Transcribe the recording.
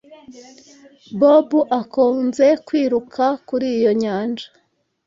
Bob akunze kwiruka kuri iyo nyanja.